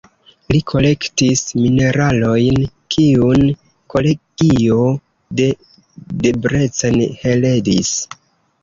Li kolektis mineralojn, kiun kolegio de Debrecen heredis.